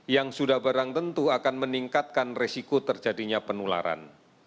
yang sudah barang tentu akan meningkatkan resiko terjadinya penularan